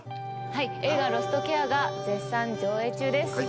はい映画『ロストケア』が絶賛上映中です。